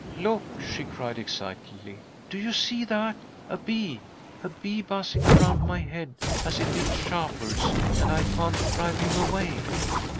"Look!" she cried, excitedly. "Do you see that? A bee! A bee buzzing around my head, as it did Shapur's, and I can't drive him away!"